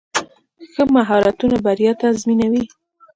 ښه مهارتونه بریا تضمینوي.